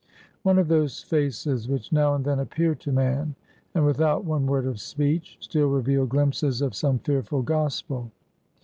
One of those faces, which now and then appear to man, and without one word of speech, still reveal glimpses of some fearful gospel.